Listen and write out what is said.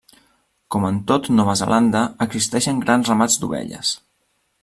Com en tot Nova Zelanda, existeixen grans ramats d'ovelles.